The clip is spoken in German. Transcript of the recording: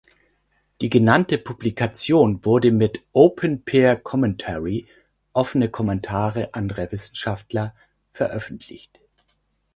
Die genannte Publikation wurde mit "Open Peer Commentary" (Offene Kommentare anderer Wissenschaftler) veröffentlicht.